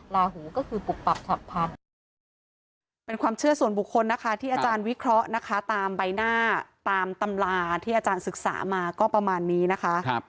ลาหูก็คือปุกปับสัมพันธ์